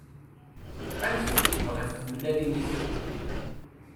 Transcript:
Amek i ten-tebɣiḍ tmellalin-ik?